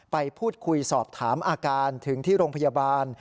ไปพูดคุยสอบถามอาการถึงที่โรงพยาบาล